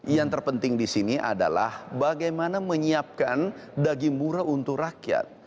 yang terpenting di sini adalah bagaimana menyiapkan daging murah untuk rakyat